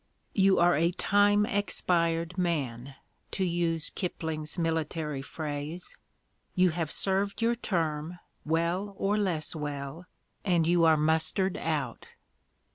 You are a time expired man, to use Kipling's military phrase: you have served your term, well or less well, and you are mustered out."